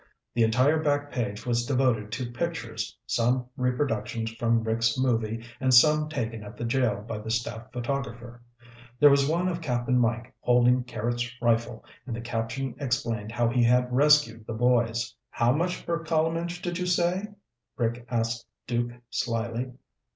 The entire back page was devoted to pictures, some reproductions from Rick's movie and some taken at the jail by the staff photographer. There was one of Cap'n Mike holding Carrots' rifle, and the caption explained how he had rescued the boys. "How much per column inch did you say?" Rick asked Duke slyly.